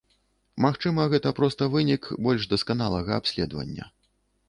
Магчыма, гэта проста вынік больш дасканалага абследавання.